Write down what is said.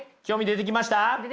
出てきました。